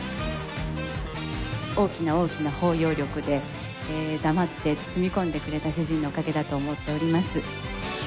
大きな大きな包容力で、黙って包み込んでくれた主人のおかげだと思っております。